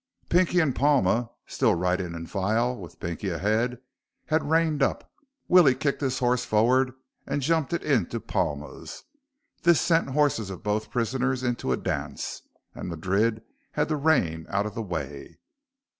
Pinky and Palma, still riding in file with Pinky ahead, had reined up. Willie kicked his horse forward and jumped it into Palma's. This sent the horses of both prisoners into a dance, and Madrid had to rein out of the way.